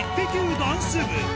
ダンス部。